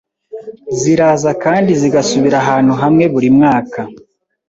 Ziraza kandi zigasubira ahantu hamwe buri mwaka.